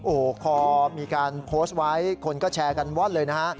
โอ้โหพอมีการโพสต์ไว้คนก็แชร์กันว่อนเลยนะฮะ